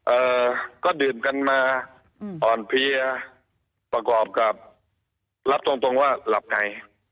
เอ่อก็ดื่มกันมาอืมอ่อนเพลียประกอบกับรับตรงตรงว่าหลับใน